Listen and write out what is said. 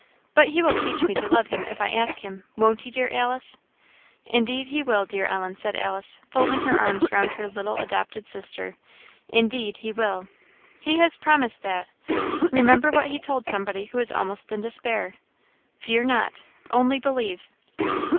But he will teach me to love him if I ask him, won't he, dear Alice?" "Indeed he will, dear Ellen," said Alice, folding her arms round her little adopted sister "indeed he will. He has promised that. Remember what he told somebody who was almost in despair 'Fear not; only believe.'